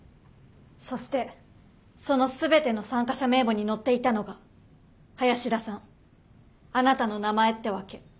そしてその全ての参加者名簿に載っていたのが林田さんあなたの名前ってわけ。